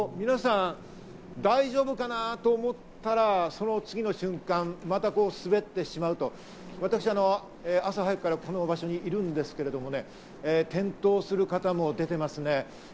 皆さん、大丈夫かなと思ったら、その次の瞬間滑ってしまうと私、朝早くからこの場所にいるんですけれどもね、転倒する方も出ていますね。